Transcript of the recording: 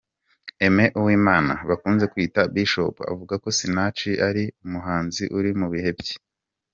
Aime Uwimana bakunze kwita Bishop avuga ko Sinach ari umuhanzi uri mu bihe bye.